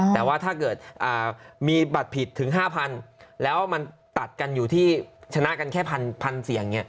แต่ว่าถ้าเกิดมีบัตรผิดถึง๕๐๐๐แล้วมันตัดกันอยู่ที่ชนะกันแค่๑๐๐เสียง